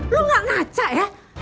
lu gak ngaca ya